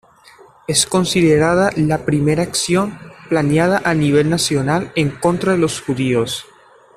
Es considerada la primera acción planeada a nivel nacional en contra de los judíos.